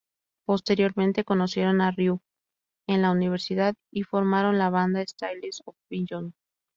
Posteriormente conocieron a Ryu en la universidad y formaron la banda Styles of Beyond.